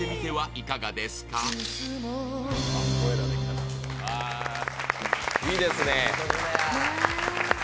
いいですね。